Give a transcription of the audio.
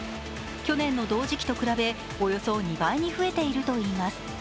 去年の同時期と比べおよそ２倍に増えているといいます。